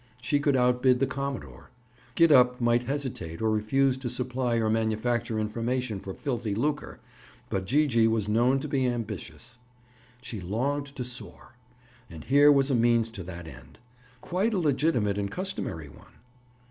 She could outbid the commodore. Gid up might hesitate or refuse to supply or manufacture information for filthy lucre, but Gee gee was known to be ambitious. She longed to soar. And here was a means to that end. Quite a legitimate and customary one!